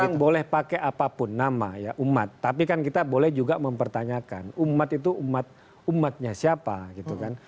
orang boleh pakai apapun nama ya umat tapi kan kita boleh juga mempertanyakan umat itu umatnya siapa gitu kan